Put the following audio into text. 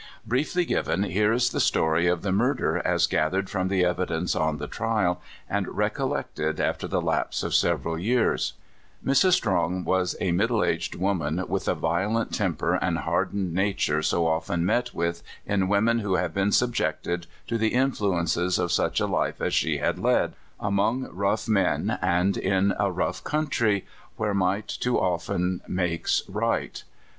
Briefly given, here is the stor}^ of the murder as gathered from the evidence on the trial, and recol lected after the lapse of several years : Mrs. Strong was a middle aged woman, w^ith the violent temper and hardened nature so often met wdth in women who have been subjected to the in fluences of such a life as she had led — among rough men, and in a rough country, where might too often makes right.